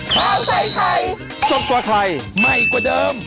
พาใจใครซดกว่าใครใหม่กว่าเดิม